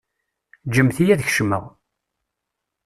Ǧǧemt-iyi ad kecmeɣ.